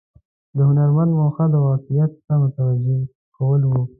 د هنرمند موخه د واقعیت ته متوجه کول و.